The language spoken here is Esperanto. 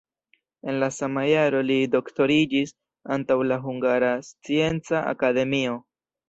En la sama jaro li doktoriĝis antaŭ la Hungara Scienca Akademio.